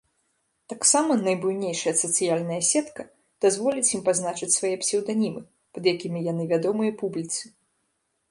Таксама найбуйнейшая сацыяльная сетка дазволіць ім пазначаць свае псеўданімы, пад якімі яны вядомыя публіцы.